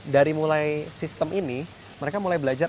dari mulai sistem ini mereka mulai belajar